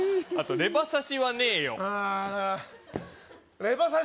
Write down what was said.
レバ刺しはねえよ！